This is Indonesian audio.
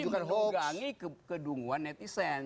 presiden jokowi menggangi kedunguan netizen